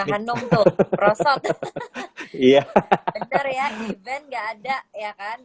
bener ya event gak ada ya kan